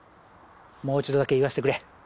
もう一度だけ言わせてくれ。